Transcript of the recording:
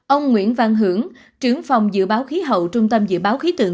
ông nguyễn văn hưởng trưởng phòng dự báo khí hậu trung tâm dự báo khí tượng